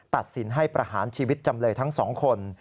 ตัดสินให้ประหารชีวิตจำเลยทั้งสองคน